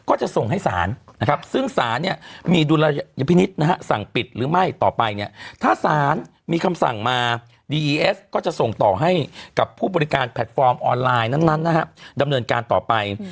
ออนไลน์นั้นนะครับดำเนินการต่อไป